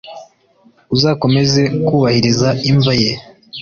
uzakomeze kubahiriza imva ye.